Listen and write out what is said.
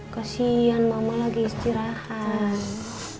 kasian mama lagi istirahat